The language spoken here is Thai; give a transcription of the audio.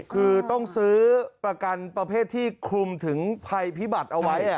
คือต้องซื้อประกันประเภทที่คลุมถึงภัยพิบัติเอาไว้